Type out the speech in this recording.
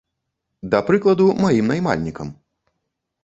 Да прыкладу, маім наймальнікам.